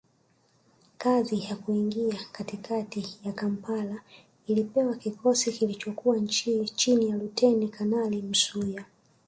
Kazi ya kuingia katikati ya Kampala ilipewa kikosi kilichokuwa chini ya Luteni Kanali Msuya